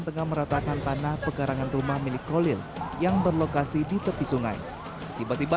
tengah meratakan tanah pekarangan rumah milik krolil yang berlokasi di tepi sungai tiba tiba